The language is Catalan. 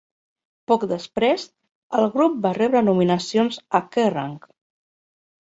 Poc després, el grup va rebre nominacions a "Kerrang!".